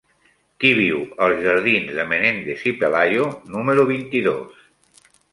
Qui viu als jardins de Menéndez y Pelayo número vint-i-dos?